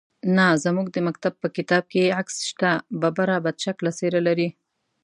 _نه، زموږ د مکتب په کتاب کې يې عکس شته. ببره، بدشکله څېره لري.